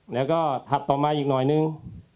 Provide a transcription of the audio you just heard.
แล้วก็ถัดต่อมาอีกหน่อยนึง